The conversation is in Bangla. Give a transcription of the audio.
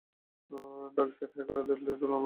ডার্কসাইট হ্যাকার দলটি তুলনামূলক নতুন।